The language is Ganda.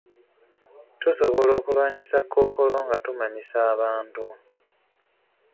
Tusobola okulwanyisa Kkookolo nga tumanyisa abantu.